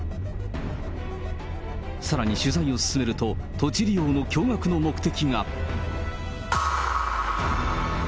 さらに取材を進めると、土地利用の驚がくの目的が。